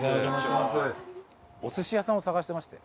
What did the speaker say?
お寿司屋さんを探してまして。